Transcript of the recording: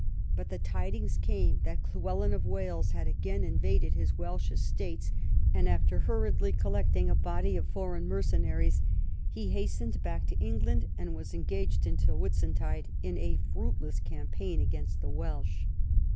But the tidings came that Llywelyn of Wales had again invaded his Welsh estates, and after hurriedly collecting a body of foreign mercenaries, he hastened back to England, and was engaged until Whitsuntide in a fruit less campaign against the Welsh.